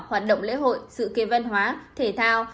hoạt động lễ hội sự kiện văn hóa thể thao